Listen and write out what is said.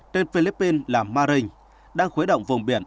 tên philippines là marinh đang khuấy động vùng biển